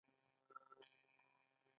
د مورال، هیواد پالنې او روحیې لپاره